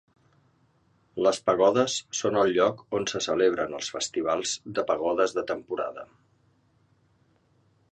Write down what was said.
Les pagodes són el lloc on se celebren els festivals de pagodes de temporada.